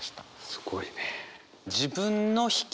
すごいね。